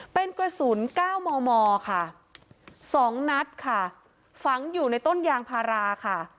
เป็นกระสุน๙มมค่ะ๒นัดค่ะฝังอยู่ในต้นยางพาราค่ะ